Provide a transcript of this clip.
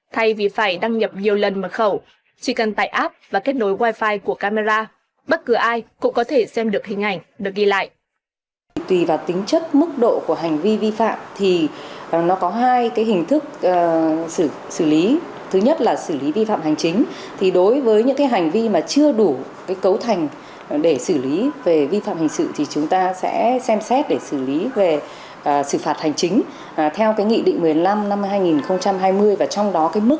thay vì phải đăng nhập nhiều lần mật khẩu chỉ cần tải app và kết nối wifi của camera bất cứ ai cũng có thể xem được hình ảnh được ghi lại